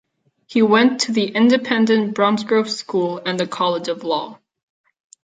He went to the independent Bromsgrove School and the College of Law.